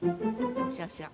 そうそう。